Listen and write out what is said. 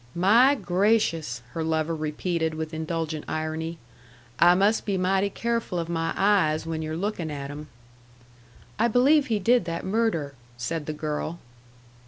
"My gracious!" her lover repeated with indulgent irony. "I must be mighty careful of my eyes when you're lookin' at 'em." "I believe he did that murder," said the girl.